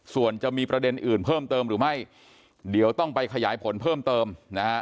ส่วนจะมีประเด็นอื่นเพิ่มเติมหรือไม่เดี๋ยวต้องไปขยายผลเพิ่มเติมนะฮะ